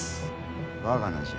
我が名じゃ。